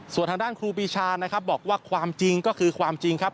ส่วนทางด้านครูปีชานะครับบอกว่าความจริงก็คือความจริงครับ